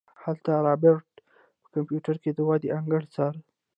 هلته رابرټ په کمپيوټر کې د دوئ انګړ څاره.